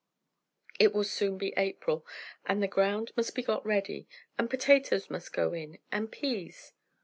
"It will soon be April. And the ground must be got ready, and potatoes must go in, and peas."